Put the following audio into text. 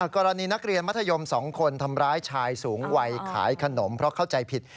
กรณีนักเรียนมัธยม๒คนทำร้ายชายสูงวัยขายขนมเพราะเข้าใจผิด